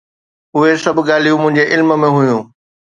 اهي سڀ ڳالهيون منهنجي علم ۾ هيون.